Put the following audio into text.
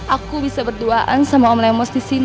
aku bisa berduaan sama om lemos disini